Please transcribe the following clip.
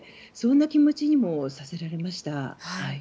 そんな気持ちにもさせられました。